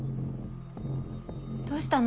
どうしたの？